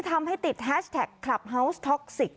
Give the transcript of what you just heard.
ทำให้ติดแฮชแท็กคลับเฮาวส์ท็อกซิก